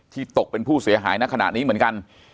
ตกเป็นผู้เสียหายในขณะนี้เหมือนกัน